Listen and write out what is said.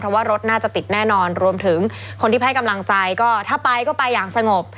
เพราะว่ารถน่าจะติดแน่นอนรวมถึงคนที่ให้กำลังใจก็ถ้าไปก็ไปอย่างสงบ